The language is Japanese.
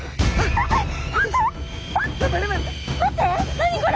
何これ？